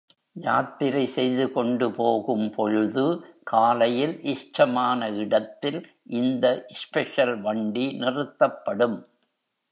யாத்திரை செய்து கொண்டு போகும் பொழுது, காலையில் இஷ்டமான இடத்தில், இந்த ஸ்பெஷல் வண்டி நிறுத்தப்படும்.